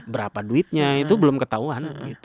berapa duitnya itu belum ketahuan